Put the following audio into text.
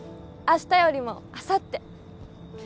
あしたよりもあさって